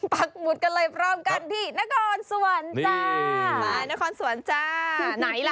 ปักหมุดกันเลยพร้อมกันที่นครสวรรค์จ้ามานครสวรรค์จ้าไหนล่ะ